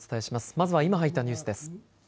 まずは今入ったニュースです。